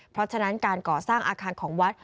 เพราะฉะนั้นการก่อสร้างอาคารของวัด